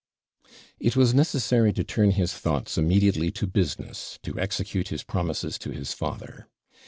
It was necessary to turn his thoughts immediately to business, to execute his promises to his father.